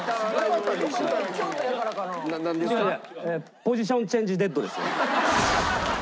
ポジションチェンジデッドですよ。